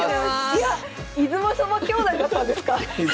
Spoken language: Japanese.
いや出雲そば兄弟だったんですか？